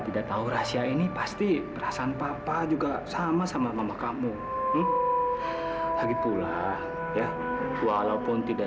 tidak tahu rahasia ini pasti perasaan papa juga sama sama mama kamu lagi pula ya walaupun tidak